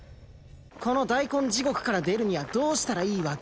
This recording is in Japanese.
この大根地獄から出るにはどうしたらいいわけ？